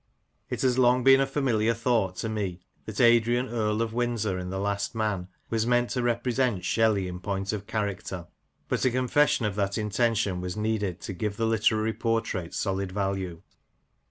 It has long been a familiar thought to me that Adrian Earl of Windsor in The Last Man was meant to represent Shelley in point of character : but a confession of that intention was needed to give the hterary portrait solid value.